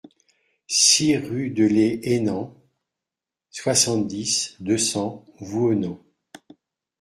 six rue de les Aynans, soixante-dix, deux cents, Vouhenans